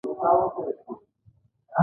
د بغلان په خوست او فرنګ کې څه شی شته؟